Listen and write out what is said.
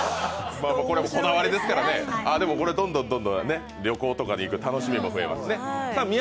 これもこだわりですからね、旅行に行く楽しみも増えますね。